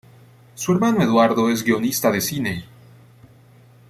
Su hermano Eduardo es guionista de cine.